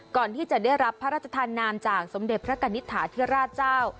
ก่อนที่จะได้รับพระราชทานนามจากสมเด็จพระกัณฑาเทราาชาว